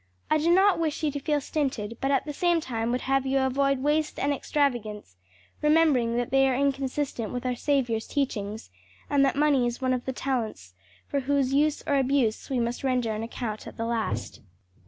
I do not wish you to feel stinted, but at the same time would have you avoid waste and extravagance, remembering that they are inconsistent with our Saviour's teachings, and that money is one of the talents for whose use or abuse we must render an account at the last."